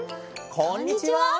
こんにちは。